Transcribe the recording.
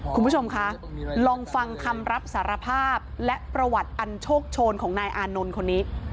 คุณผู้ชมคะลองฟังคำรับสารภาพและประวัติอันโชคโชนของนายอานนท์คนนี้